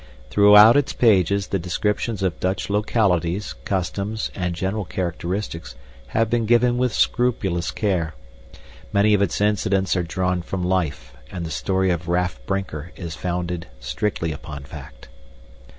Throughout its pages the descriptions of Dutch localities, customs, and general characteristics have been given with scrupulous care. Many of its incidents are drawn from life, and the story of Raff Brinker is founded strictly upon fact.